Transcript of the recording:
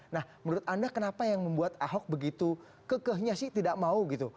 nah menurut anda kenapa yang membuat ahok begitu kekehnya sih tidak mau gitu